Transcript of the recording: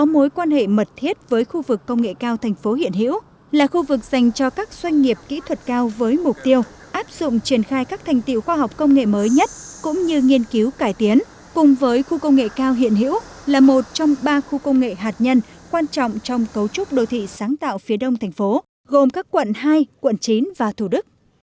mối quan hệ mật thiết với khu vực công nghệ cao thành phố hiện hữu là khu vực dành cho các doanh nghiệp kỹ thuật cao với mục tiêu áp dụng triển khai các thành tiệu khoa học công nghệ mới nhất cũng như nghiên cứu cải tiến cùng với khu công nghệ cao hiện hữu là một trong ba khu công nghệ hạt nhân quan trọng trong cấu trúc đô thị sáng tạo phía đông thành phố gồm các quận hai quận chín và thủ đức